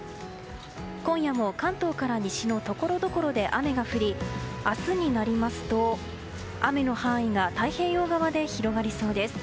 今夜も関東から西のところどころで雨が降り明日になりますと雨の範囲が太平洋側で広がりそうです。